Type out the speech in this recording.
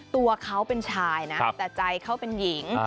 ตัวเขาเป็นชายนะแต่ใจเขาเป็นหญิง